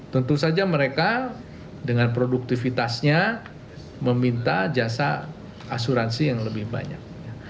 tentu saja mereka dengan produktivitasnya meminta jasa asuransi yang lebih banyak